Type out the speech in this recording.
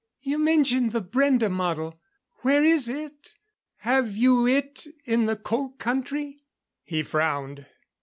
"You mentioned the Brende model where is it? Have you it in the Cold Country?" He frowned.